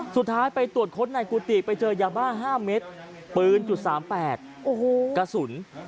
สุดท้ายไปตรวจค้นในกุฏิไปเจอยาบ้า๕เม็ดปืนจุด๓๘โอ้โหกระสุน